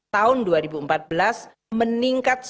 tahun dua ribu empat belas meningkat satu tiga ratus delapan puluh lima km